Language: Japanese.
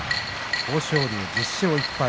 豊昇龍、１０勝１敗。